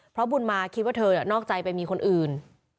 เพราะบุญมาคิดว่าเธอนอกใจไปมีคนอื่น